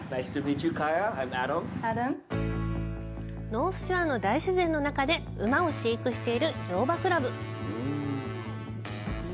ノースショアの大自然の中で馬を飼育している乗馬クラブ。